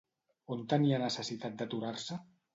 On tenia necessitat d'aturar-se?